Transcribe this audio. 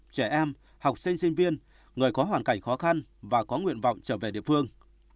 trẻ em học sinh sinh viên người có hoàn cảnh khó khăn và có nguyện vọng trở về địa phương